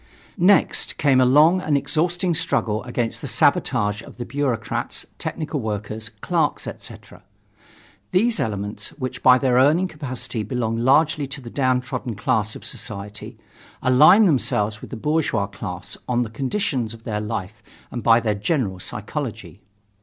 Next came a long and exhausting struggle against the sabotage of the bureaucrats, technical workers, clerks, etc. These elements, which by their earning capacity belong largely to the downtrodden class of society, align themselves with the bourgeois class by the conditions of their life and by their general psychology.